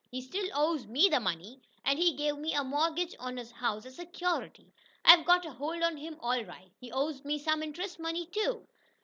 He still owes ME the money, and he gave me a mortgage on his house as security. I've got a hold on him all right. He owes me some interest money, too."